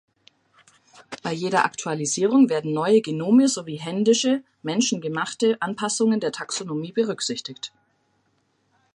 Bei jeder Aktualisierung werden neue Genome sowie händische (menschengemachte) Anpassungen der Taxonomie berücksichtigt.